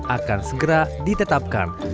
akan segera ditetapkan